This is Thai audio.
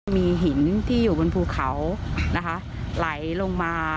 มีหินที่อยู่บนภูเขานะคะไหลลงมา